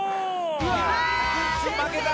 うわ負けた！